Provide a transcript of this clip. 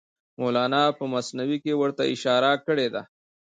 مولانا په مثنوي کې ورته اشاره کړې ده.